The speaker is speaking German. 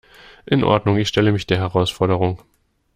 In Ordnung, ich stelle mich der Herausforderung.